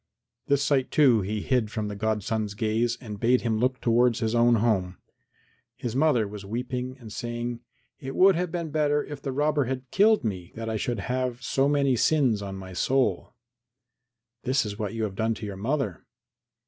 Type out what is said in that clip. This sight, too, he hid from the godson's gaze and bade him look towards his own home. His mother was weeping and saying, "It would have been better if the robber had killed me than that I should have so many sins on my soul." "This is what you have done to your mother."